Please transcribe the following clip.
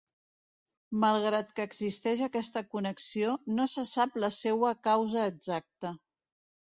Malgrat que existeix aquesta connexió, no sé sap la seua causa exacta.